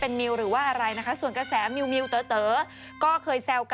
ตอนนี้เรียกว่าเป็นแบบตำแหน่งเจ้าแม่พรีเซนเตอร์กันเลยทีเดียวนะคะ